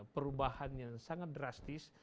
perubahan yang sangat drastis